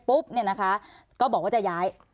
ปุ๊บเนี่ยนะคะก็บอกว่าจะย้าย